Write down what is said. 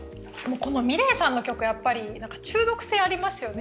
このｍｉｌｅｔさんの曲中毒性ありますよね。